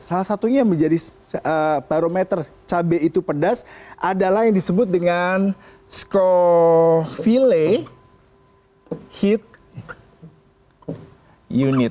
salah satunya yang menjadi barometer cabai itu pedas adalah yang disebut dengan scofile heat unit